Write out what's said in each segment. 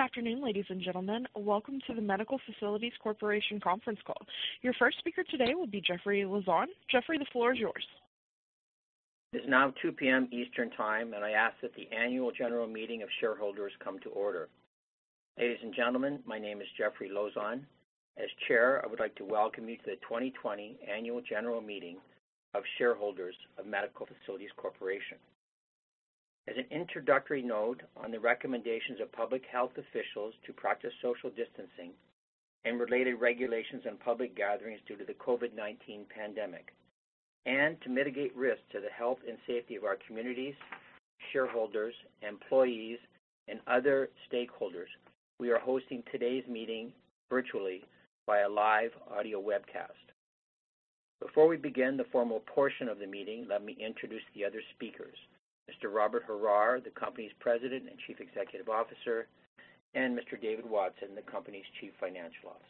Good afternoon, ladies and gentlemen. Welcome to the Medical Facilities Corporation conference call. Your first speaker today will be Jeffrey Lozon. Jeffrey, the floor is yours. It is now 2:00 P.M. Eastern Time, and I ask that the annual general meeting of shareholders come to order. Ladies and gentlemen, my name is Jeffrey Lozon. As Chair, I would like to welcome you to the 2020 annual general meeting of shareholders of Medical Facilities Corporation. As an introductory note on the recommendations of public health officials to practice social distancing and related regulations on public gatherings due to the COVID-19 pandemic, and to mitigate risks to the health and safety of our communities, shareholders, employees, and other stakeholders, we are hosting today's meeting virtually via live audio webcast. Before we begin the formal portion of the meeting, let me introduce the other speakers, Mr. Robert Horrar, the company's President and Chief Executive Officer, and Mr. David Watson, the company's Chief Financial Officer.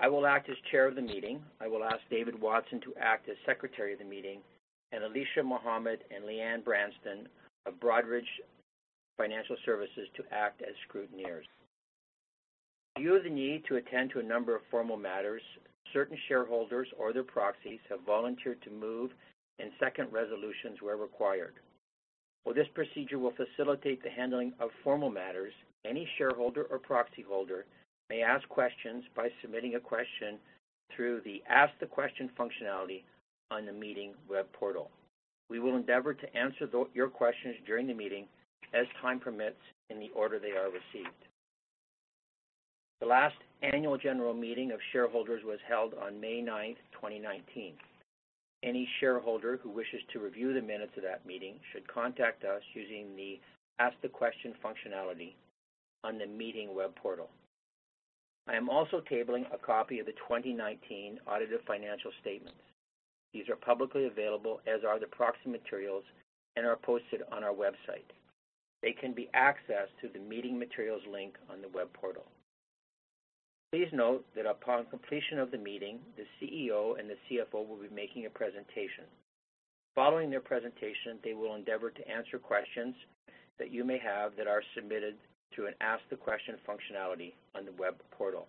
I will act as Chair of the meeting. I will ask David Watson to act as secretary of the meeting, and Alicia Muhammad and Leanne Branston of Broadridge Financial Solutions to act as scrutineers. Due to the need to attend to a number of formal matters, certain shareholders or their proxies have volunteered to move and second resolutions where required. While this procedure will facilitate the handling of formal matters, any shareholder or proxy holder may ask questions by submitting a question through the ask the question functionality on the meeting web portal. We will endeavor to answer your questions during the meeting as time permits in the order they are received. The last annual general meeting of shareholders was held on May 9th, 2019. Any shareholder who wishes to review the minutes of that meeting should contact us using the ask the question functionality on the meeting web portal. I am also tabling a copy of the 2019 audited financial statements. These are publicly available, as are the proxy materials, and are posted on our website. They can be accessed through the meeting materials link on the web portal. Please note that upon completion of the meeting, the CEO and the CFO will be making a presentation. Following their presentation, they will endeavor to answer questions that you may have that are submitted through an ask the question functionality on the web portal.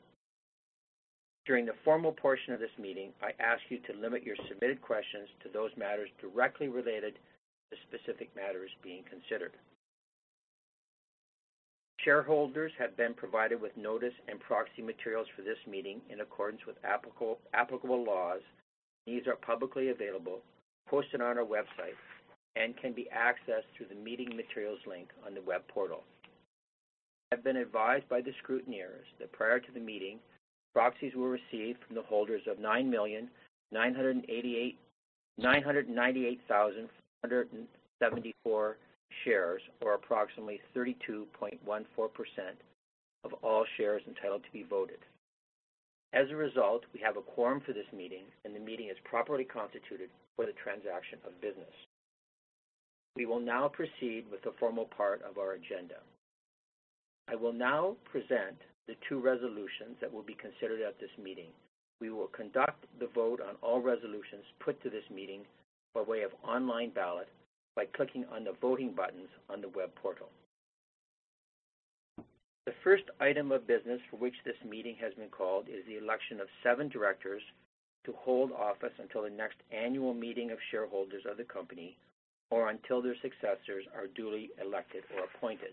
During the formal portion of this meeting, I ask you to limit your submitted questions to those matters directly related to specific matters being considered. Shareholders have been provided with notice and proxy materials for this meeting in accordance with applicable laws. These are publicly available, posted on our website, and can be accessed through the meeting materials link on the web portal. I have been advised by the scrutineers that prior to the meeting, proxies were received from the holders of 9,998,474 shares, or approximately 32.14% of all shares entitled to be voted. As a result, we have a quorum for this meeting, and the meeting is properly constituted for the transaction of business. We will now proceed with the formal part of our agenda. I will now present the two resolutions that will be considered at this meeting. We will conduct the vote on all resolutions put to this meeting by way of online ballot by clicking on the voting buttons on the web portal. The first item of business for which this meeting has been called is the election of seven directors to hold office until the next annual meeting of shareholders of the company or until their successors are duly elected or appointed.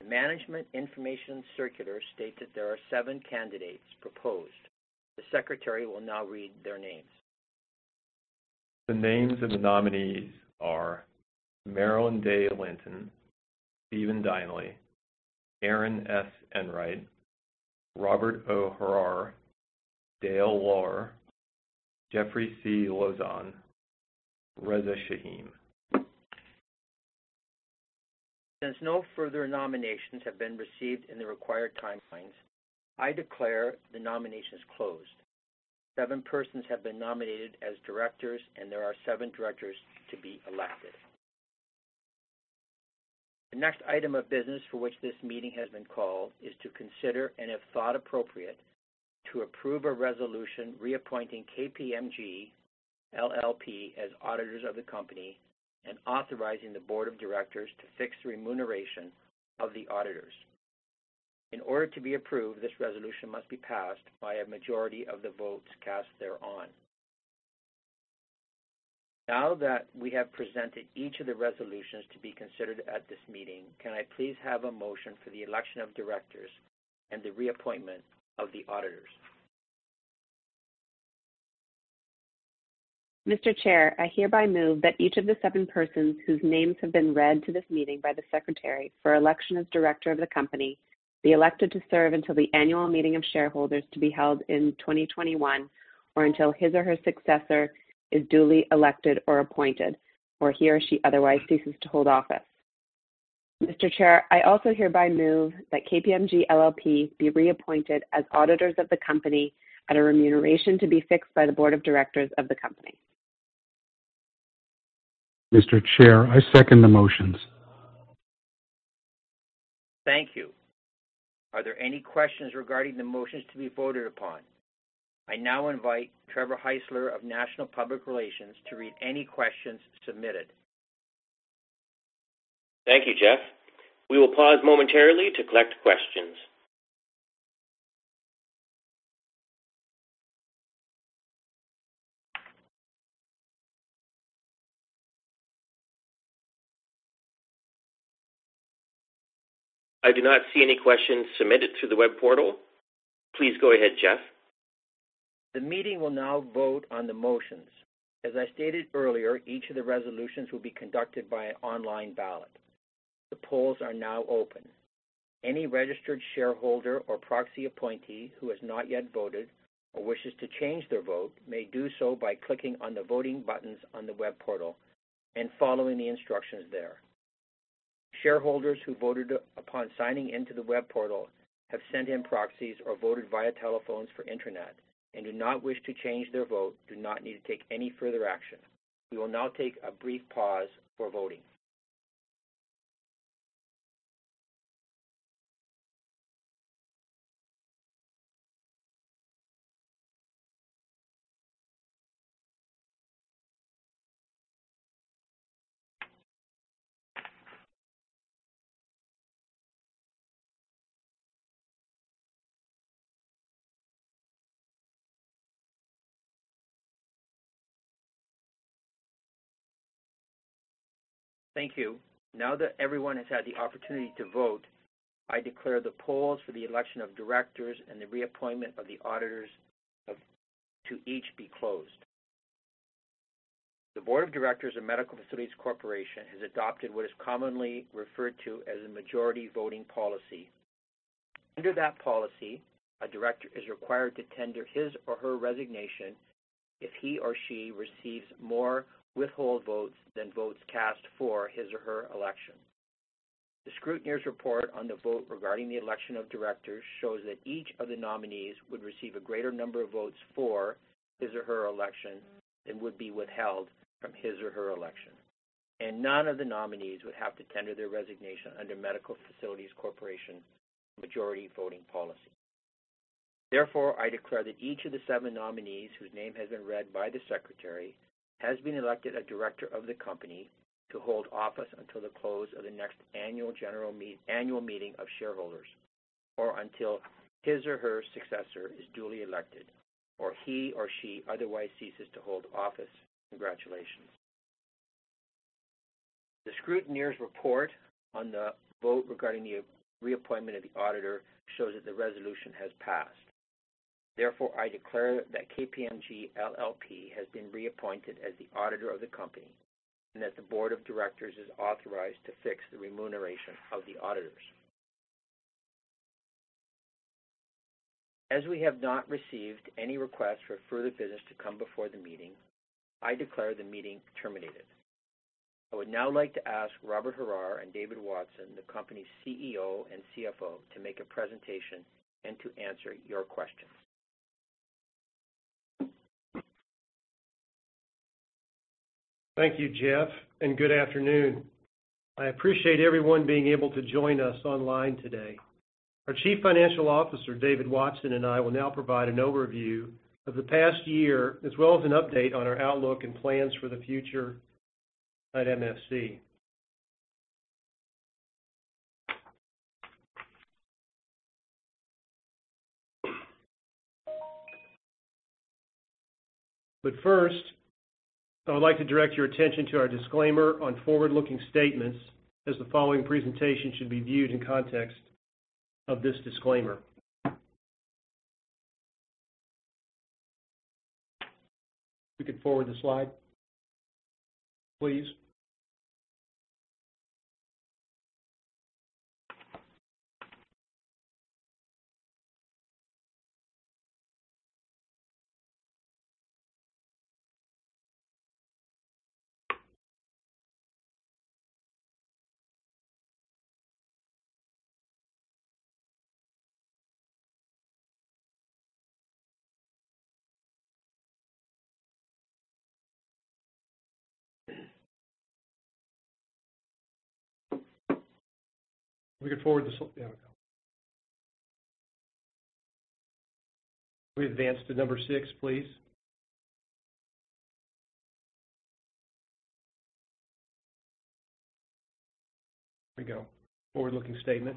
The management information circular states that there are seven candidates proposed. The secretary will now read their names. The names of the nominees are Marilynne Day-Linton, Stephen Dineley, Erin S. Enright, Robert O. Horrar, Dale Lawr, Jeffrey C. Lozon, Reza Shahim. Since no further nominations have been received in the required timelines, I declare the nominations closed. Seven persons have been nominated as directors, and there are seven directors to be elected. The next item of business for which this meeting has been called is to consider, and if thought appropriate, to approve a resolution reappointing KPMG LLP as auditors of the company and authorizing the board of directors to fix the remuneration of the auditors. In order to be approved, this resolution must be passed by a majority of the votes cast thereon. Now that we have presented each of the resolutions to be considered at this meeting, can I please have a motion for the election of directors and the reappointment of the auditors. Mr. Chair, I hereby move that each of the seven persons whose names have been read to this meeting by the secretary for election as Director of the Company be elected to serve until the annual meeting of shareholders to be held in 2021, or until his or her successor is duly elected or appointed, or he or she otherwise ceases to hold office. Mr. Chair, I also hereby move that KPMG LLP be reappointed as auditors of the Company at a remuneration to be fixed by the Board of Directors of the Company. Mr. Chair, I second the motions. Thank you. Are there any questions regarding the motions to be voted upon? I now invite Trevor Heisler of NATIONAL Public Relations to read any questions submitted. Thank you, Jeff. We will pause momentarily to collect questions. I do not see any questions submitted through the web portal. Please go ahead, Jeff. The meeting will now vote on the motions. As I stated earlier, each of the resolutions will be conducted by an online ballot. The polls are now open. Any registered shareholder or proxy appointee who has not yet voted or wishes to change their vote may do so by clicking on the voting buttons on the web portal and following the instructions there. Shareholders who voted upon signing into the web portal, have sent in proxies or voted via telephones or internet and do not wish to change their vote, do not need to take any further action. We will now take a brief pause for voting. Thank you. Now that everyone has had the opportunity to vote, I declare the polls for the election of directors and the reappointment of the auditors to each be closed. The board of directors of Medical Facilities Corporation has adopted what is commonly referred to as a majority voting policy. Under that policy, a director is required to tender his or her resignation if he or she receives more withhold votes than votes cast for his or her election. The scrutineer's report on the vote regarding the election of directors shows that each of the nominees would receive a greater number of votes for his or her election than would be withheld from his or her election, and none of the nominees would have to tender their resignation under Medical Facilities Corporation majority voting policy. Therefore, I declare that each of the seven nominees whose name has been read by the secretary has been elected a director of the company to hold office until the close of the next annual meeting of shareholders, or until his or her successor is duly elected, or he or she otherwise ceases to hold office. Congratulations. The scrutineer's report on the vote regarding the reappointment of the auditor shows that the resolution has passed. Therefore, I declare that KPMG LLP has been reappointed as the auditor of the company, and that the board of directors is authorized to fix the remuneration of the auditors. As we have not received any requests for further business to come before the meeting, I declare the meeting terminated. I would now like to ask Robert O. Horrar and David Watson, the company's CEO and CFO, to make a presentation and to answer your questions. Thank you, Jeff. Good afternoon. I appreciate everyone being able to join us online today. Our Chief Financial Officer, David Watson, and I will now provide an overview of the past year, as well as an update on our outlook and plans for the future at MFC. First, I would like to direct your attention to our disclaimer on forward-looking statements, as the following presentation should be viewed in context of this disclaimer. We can forward the slide, please. Can we advance to number six, please? There we go. Forward-looking statement.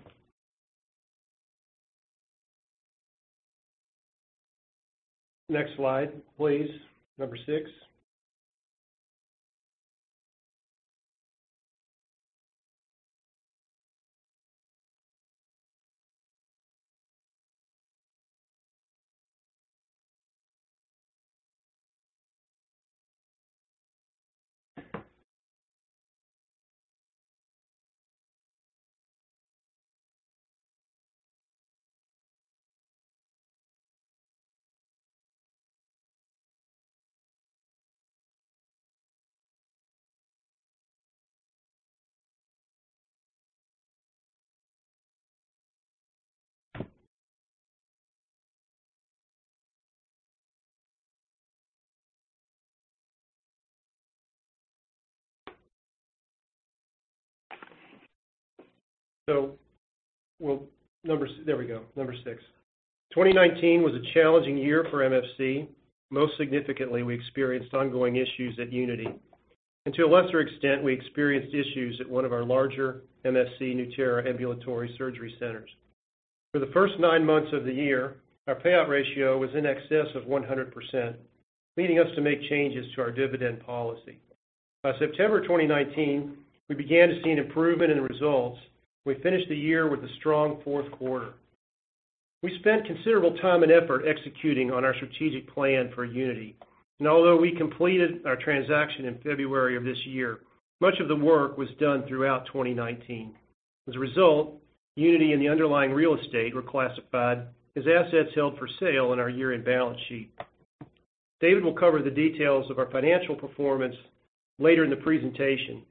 Next slide, please. Number six. There we go. Number six. 2019 was a challenging year for MFC. Most significantly, we experienced ongoing issues at Unity. To a lesser extent, we experienced issues at one of our larger MFC Nueterra ambulatory surgery centers. For the first nine months of the year, our payout ratio was in excess of 100%, leading us to make changes to our dividend policy. We finished the year with a strong fourth quarter. We spent considerable time and effort executing on our strategic plan for Unity. Although we completed our transaction in February of this year, much of the work was done throughout 2019. As a result, Unity and the underlying real estate were classified as assets held for sale in our year-end balance sheet. David will cover the details of our financial performance later in the presentation,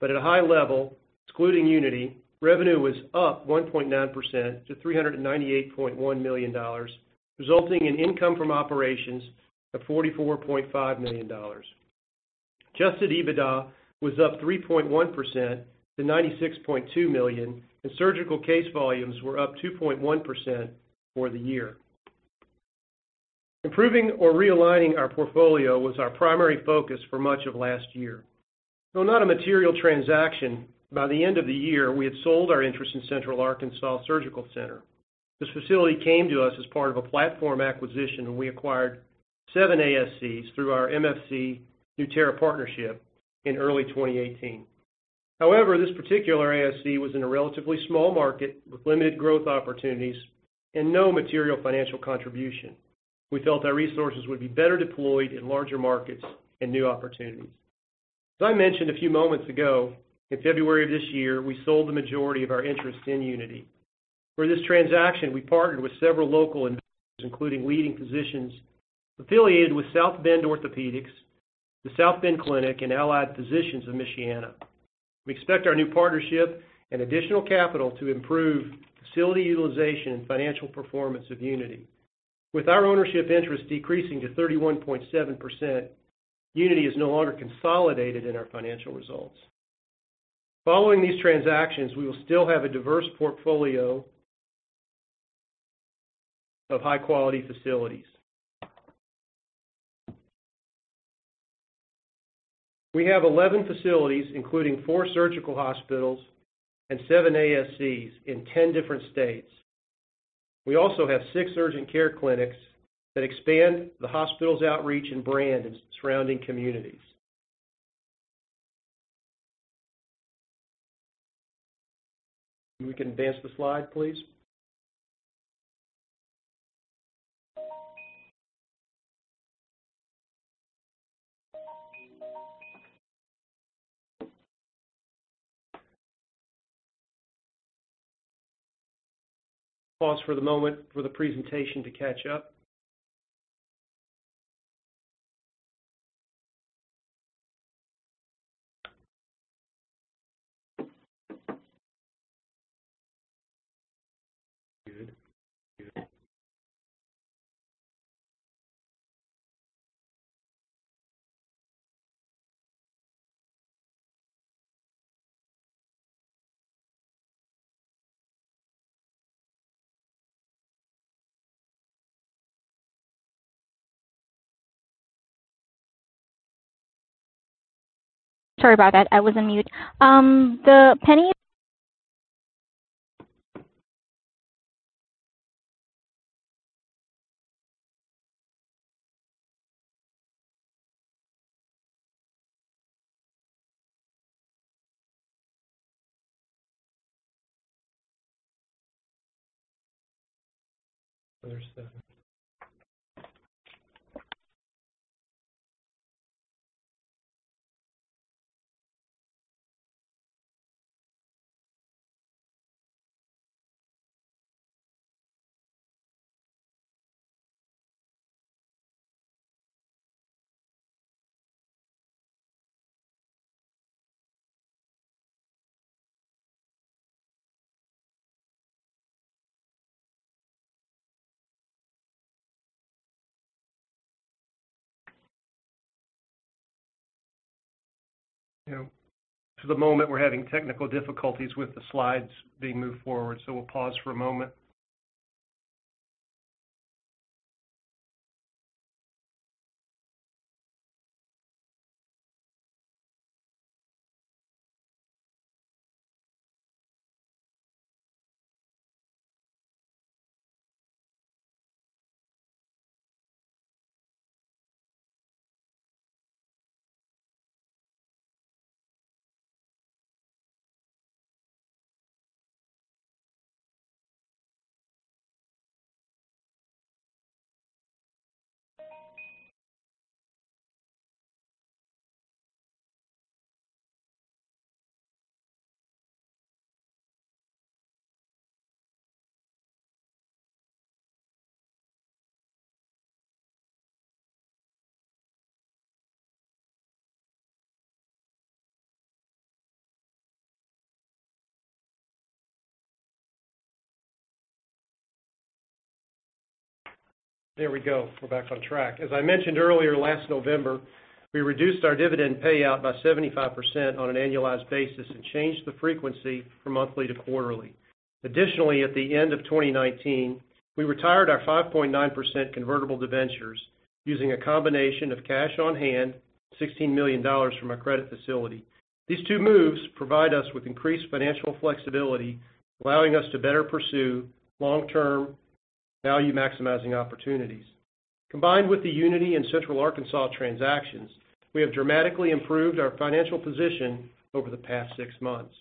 but at a high level, excluding Unity, revenue was up 1.9% to $398.1 million, resulting in income from operations of 44.5 million dollars. Adjusted EBITDA was up 3.1% to $96.2 million. Surgical case volumes were up 2.1% for the year. Improving or realigning our portfolio was our primary focus for much of last year. Though not a material transaction, by the end of the year, we had sold our interest in Central Arkansas Surgical Center. This facility came to us as part of a platform acquisition when we acquired 7 ASCs through our MFC Nueterra partnership in early 2018. This particular ASC was in a relatively small market with limited growth opportunities and no material financial contribution. We felt our resources would be better deployed in larger markets and new opportunities. As I mentioned a few moments ago, in February of this year, we sold the majority of our interest in Unity. For this transaction, we partnered with several local investors, including leading physicians affiliated with South Bend Orthopaedics, The South Bend Clinic, and Allied Physicians of Michiana. We expect our new partnership and additional capital to improve facility utilization and financial performance of Unity. With our ownership interest decreasing to 31.7%, Unity is no longer consolidated in our financial results. Following these transactions, we will still have a diverse portfolio of high-quality facilities. We have 11 facilities, including four surgical hospitals and seven ASCs in 10 different states. We also have six urgent care clinics that expand the hospital's outreach and brand in surrounding communities. We can advance the slide, please. Pause for the moment for the presentation to catch up. Sorry about that. I was on mute. For the moment, we're having technical difficulties with the slides being moved forward, so we'll pause for a moment. There we go. We're back on track. As I mentioned earlier, last November, we reduced our dividend payout by 75% on an annualized basis and changed the frequency from monthly to quarterly. Additionally, at the end of 2019, we retired our 5.9% convertible debentures using a combination of cash on hand, $16 million from our credit facility. These two moves provide us with increased financial flexibility, allowing us to better pursue long-term value-maximizing opportunities. Combined with the Unity and Central Arkansas transactions, we have dramatically improved our financial position over the past six months.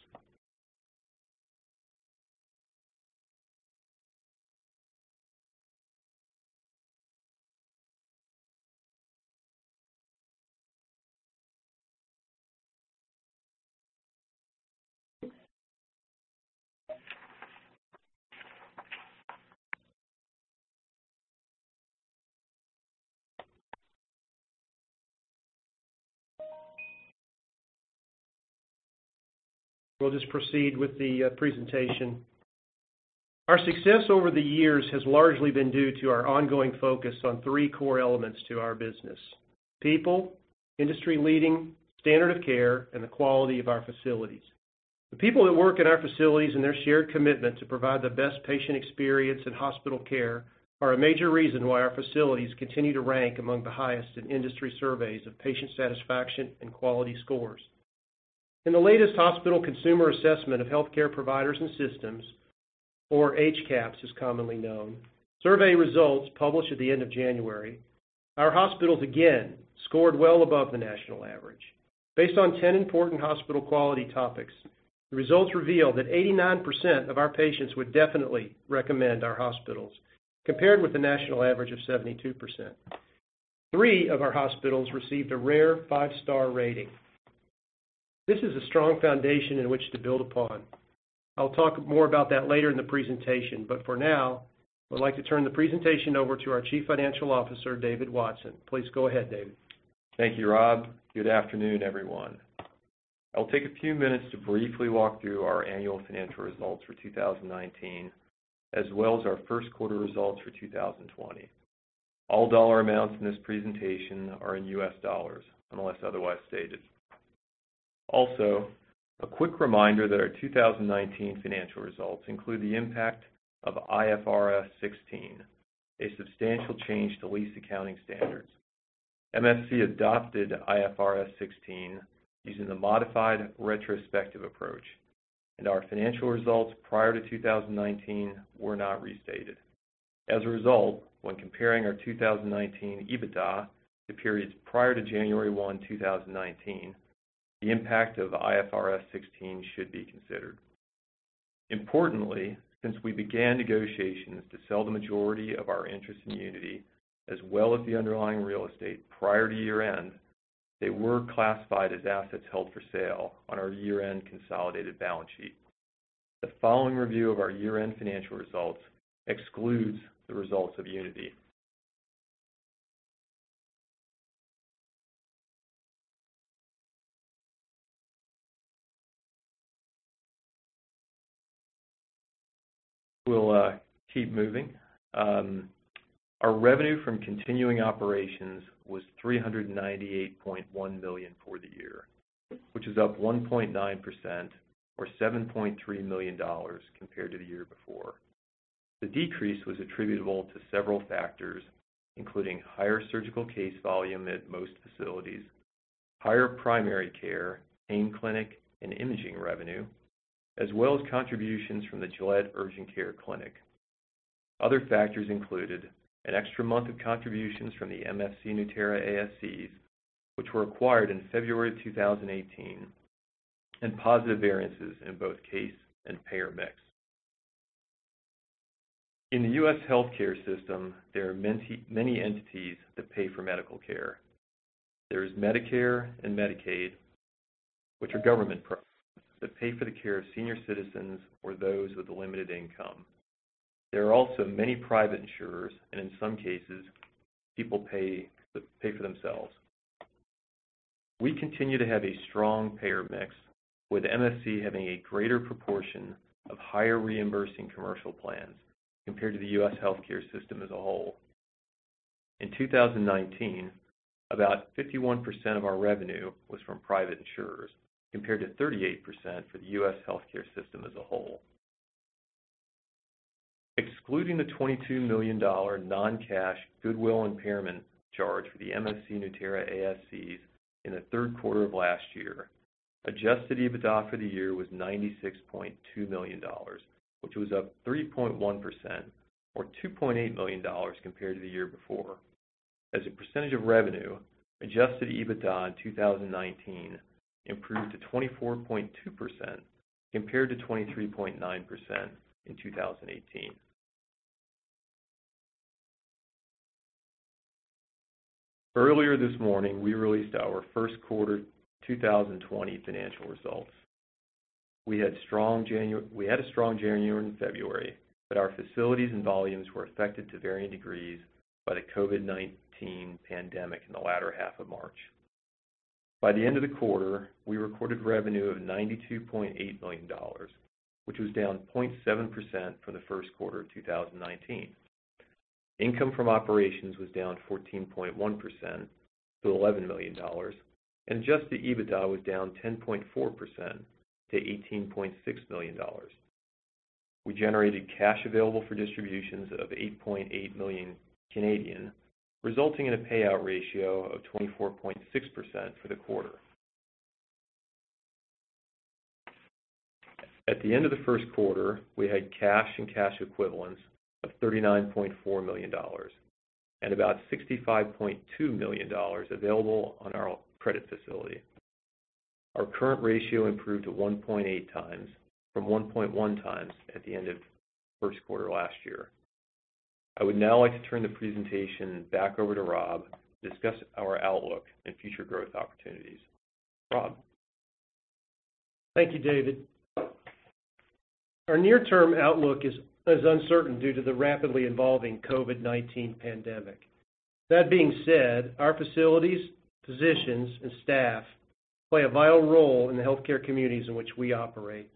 We'll just proceed with the presentation. Our success over the years has largely been due to our ongoing focus on three core elements to our business: people, industry-leading standard of care, and the quality of our facilities. The people that work at our facilities and their shared commitment to provide the best patient experience and hospital care are a major reason why our facilities continue to rank among the highest in industry surveys of patient satisfaction and quality scores. In the latest Hospital Consumer Assessment of Healthcare Providers and Systems, or HCAHPS, as commonly known, survey results published at the end of January, our hospitals again scored well above the national average. Based on 10 important hospital quality topics, the results reveal that 89% of our patients would definitely recommend our hospitals, compared with the national average of 72%. Three of our hospitals received a rare five-star rating. This is a strong foundation in which to build upon. I'll talk more about that later in the presentation, but for now, I'd like to turn the presentation over to our Chief Financial Officer, David Watson. Please go ahead, David. Thank you, Rob. Good afternoon, everyone. I'll take a few minutes to briefly walk through our annual financial results for 2019, as well as our first quarter results for 2020. All dollar amounts in this presentation are in U.S. dollars, unless otherwise stated. A quick reminder that our 2019 financial results include the impact of IFRS 16, a substantial change to lease accounting standards. MFC adopted IFRS 16 using the modified retrospective approach, and our financial results prior to 2019 were not restated. As a result, when comparing our 2019 EBITDA to periods prior to January 1, 2019, the impact of IFRS 16 should be considered. Importantly, since we began negotiations to sell the majority of our interest in Unity, as well as the underlying real estate prior to year-end, they were classified as assets held for sale on our year-end consolidated balance sheet. The following review of our year-end financial results excludes the results of Unity. We'll keep moving. Our revenue from continuing operations was 398.1 million for the year, which is up 1.9%, or 7.3 million dollars compared to the year before. The decrease was attributable to several factors, including higher surgical case volume at most facilities, higher primary care, pain clinic, and imaging revenue, as well as contributions from the Gillette Urgent Care Clinic. Other factors included an extra month of contributions from the MFC Nueterra ASCs, which were acquired in February 2018, and positive variances in both case and payer mix. In the U.S. healthcare system, there are many entities that pay for medical care. There is Medicare and Medicaid, which are government programs that pay for the care of senior citizens or those with limited income. There are also many private insurers, and in some cases, people pay for themselves. We continue to have a strong payer mix, with MFC having a greater proportion of higher reimbursing commercial plans compared to the U.S. healthcare system as a whole. In 2019, about 51% of our revenue was from private insurers, compared to 38% for the U.S. healthcare system as a whole. Excluding the 22 million dollar non-cash goodwill impairment charge for the MFC Nueterra ASCs in the third quarter of last year, adjusted EBITDA for the year was 96.2 million dollars, which was up 3.1%, or 2.8 million dollars, compared to the year before. As a percentage of revenue, adjusted EBITDA in 2019 improved to 24.2%, compared to 23.9% in 2018. Earlier this morning, we released our first quarter 2020 financial results. We had a strong January and February, but our facilities and volumes were affected to varying degrees by the COVID-19 pandemic in the latter half of March. By the end of the quarter, we recorded revenue of 92.8 million dollars, which was down 0.7% for the first quarter of 2019. Income from operations was down 14.1% to 11 million dollars, and adjusted EBITDA was down 10.4% to 18.6 million dollars. We generated cash available for distributions of 8.8 million, resulting in a payout ratio of 24.6% for the quarter. At the end of the first quarter, we had cash and cash equivalents of 39.4 million dollars and about 65.2 million dollars available on our credit facility. Our current ratio improved to 1.8 times from 1.1 times at the end of first quarter last year. I would now like to turn the presentation back over to Rob to discuss our outlook and future growth opportunities. Rob? Thank you, David. Our near-term outlook is uncertain due to the rapidly evolving COVID-19 pandemic. That being said, our facilities, physicians, and staff play a vital role in the healthcare communities in which we operate.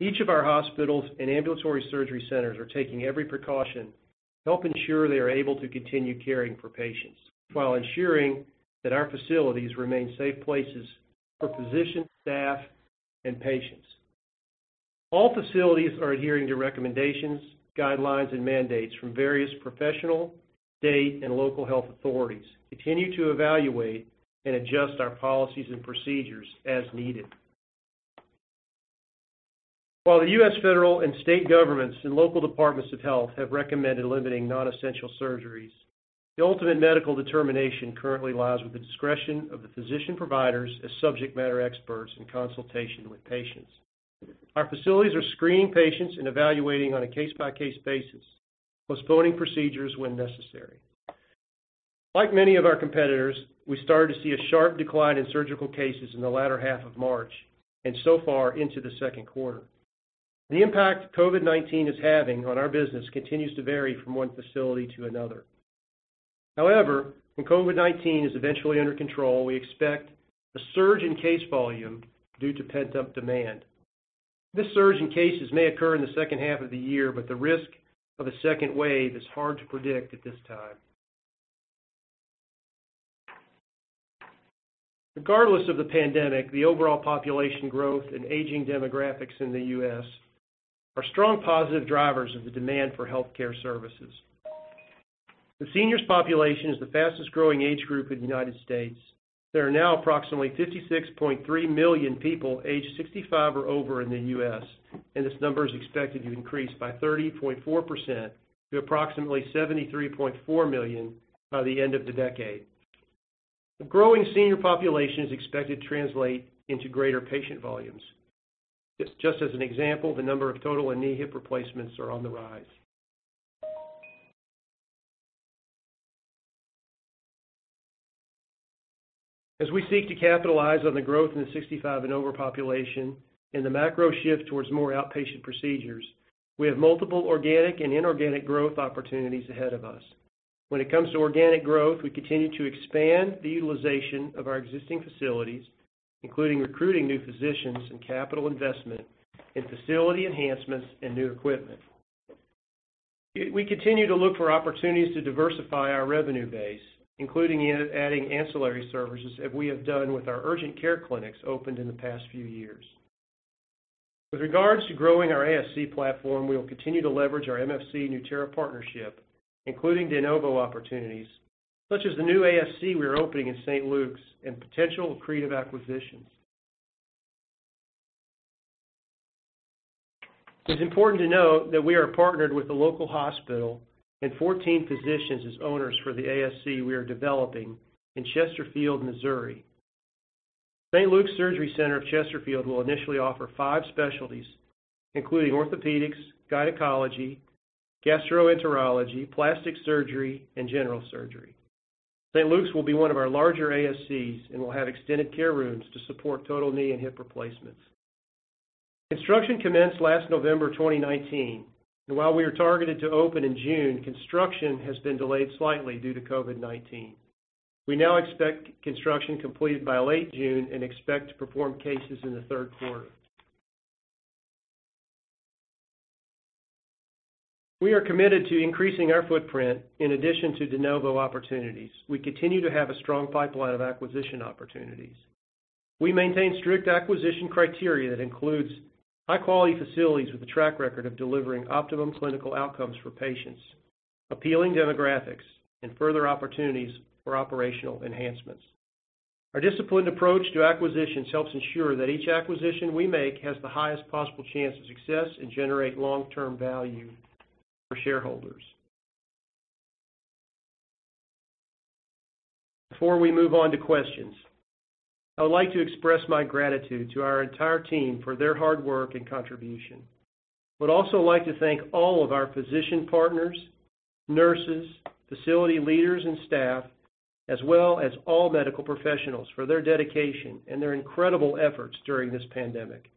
Each of our hospitals and ambulatory surgery centers are taking every precaution to help ensure they are able to continue caring for patients while ensuring that our facilities remain safe places for physicians, staff, and patients. All facilities are adhering to recommendations, guidelines, and mandates from various professional, state, and local health authorities, continue to evaluate and adjust our policies and procedures as needed. While the U.S. federal and state governments and local departments of health have recommended limiting non-essential surgeries, the ultimate medical determination currently lies with the discretion of the physician providers as subject matter experts in consultation with patients. Our facilities are screening patients and evaluating on a case-by-case basis, postponing procedures when necessary. Like many of our competitors, we started to see a sharp decline in surgical cases in the latter half of March and so far into the second quarter. The impact COVID-19 is having on our business continues to vary from one facility to another. However, when COVID-19 is eventually under control, we expect a surge in case volume due to pent-up demand. This surge in cases may occur in the second half of the year, but the risk of a second wave is hard to predict at this time. Regardless of the pandemic, the overall population growth and aging demographics in the U.S. are strong positive drivers of the demand for healthcare services. The seniors population is the fastest growing age group in the United States. There are now approximately 56.3 million people aged 65 or over in the U.S., and this number is expected to increase by 30.4% to approximately 73.4 million by the end of the decade. The growing senior population is expected to translate into greater patient volumes. Just as an example, the number of total and knee hip replacements are on the rise. As we seek to capitalize on the growth in the 65 and over population and the macro shift towards more outpatient procedures, we have multiple organic and inorganic growth opportunities ahead of us. When it comes to organic growth, we continue to expand the utilization of our existing facilities, including recruiting new physicians and capital investment in facility enhancements and new equipment. We continue to look for opportunities to diversify our revenue base, including adding ancillary services as we have done with our urgent care clinics opened in the past few years. With regards to growing our ASC platform, we will continue to leverage our MFC Nueterra partnership, including de novo opportunities such as the new ASC we are opening in St. Luke's and potential accretive acquisitions. It is important to note that we are partnered with the local hospital and 14 physicians as owners for the ASC we are developing in Chesterfield, Missouri. St. Luke's Surgery Center of Chesterfield will initially offer five specialties, including orthopedics, gynecology, gastroenterology, plastic surgery, and general surgery. St. Luke's will be one of our larger ASCs and will have extended care rooms to support total knee and hip replacements. Construction commenced last November 2019, and while we are targeted to open in June, construction has been delayed slightly due to COVID-19. We now expect construction completed by late June and expect to perform cases in the third quarter. We are committed to increasing our footprint. In addition to de novo opportunities, we continue to have a strong pipeline of acquisition opportunities. We maintain strict acquisition criteria that includes high quality facilities with a track record of delivering optimum clinical outcomes for patients, appealing demographics, and further opportunities for operational enhancements. Our disciplined approach to acquisitions helps ensure that each acquisition we make has the highest possible chance of success and generate long-term value for shareholders. Before we move on to questions, I would like to express my gratitude to our entire team for their hard work and contribution. Would also like to thank all of our physician partners, nurses, facility leaders and staff, as well as all medical professionals for their dedication and their incredible efforts during this pandemic.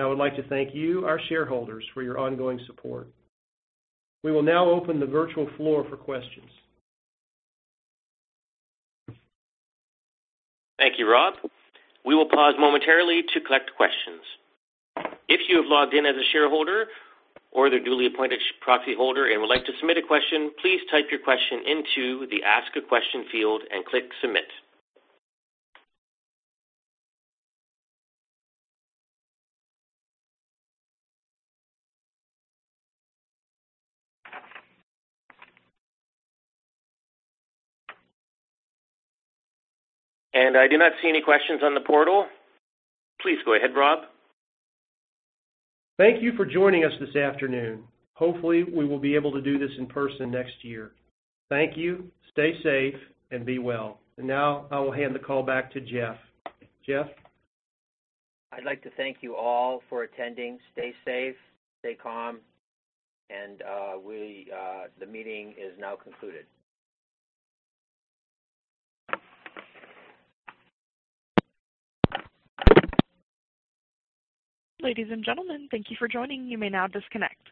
I would like to thank you, our shareholders, for your ongoing support. We will now open the virtual floor for questions. Thank you, Rob. We will pause momentarily to collect questions. If you have logged in as a shareholder or the duly appointed proxy holder and would like to submit a question, please type your question into the Ask a Question field and click Submit. I do not see any questions on the portal. Please go ahead, Rob. Thank you for joining us this afternoon. Hopefully, we will be able to do this in person next year. Thank you, stay safe, and be well. Now I will hand the call back to Jeff. Jeff? I'd like to thank you all for attending. Stay safe, stay calm, and the meeting is now concluded. Ladies and gentlemen, thank you for joining. You may now disconnect.